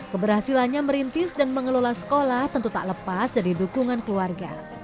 keberhasilannya merintis dan mengelola sekolah tentu tak lepas dari dukungan keluarga